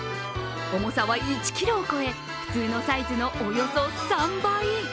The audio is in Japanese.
重さは１ｋｇを超え、普通のサイズのおよそ３杯。